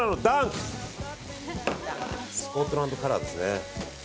スコットランドカラーですね。